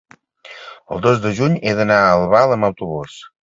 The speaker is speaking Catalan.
El dos de juny he d'anar a Albal amb autobús.